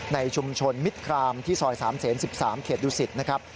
ในชุมชนมิดครามที่สอย๓๑๓เขตดูศิษฐ์นะครับ